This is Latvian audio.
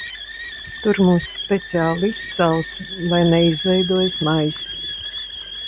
"Tur mūs speciāli izsauca, lai neizveidojas "maiss"."